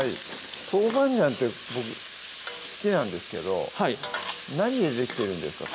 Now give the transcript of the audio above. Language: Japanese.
豆板醤って僕好きなんですけどはい何でできてるんですか？